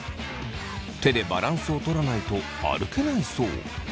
手でバランスをとらないと歩けないそう。